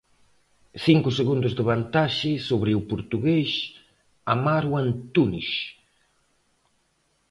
Cinco segundos de vantaxe sobre o portugués Amaro Antunes.